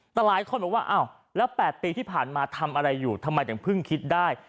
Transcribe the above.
แต่หลายคนบอกว่าอ้าวแล้ว๘ปีที่ผ่านมาทำอะไรอยู่ทำไมถึงเพิ่งคิดได้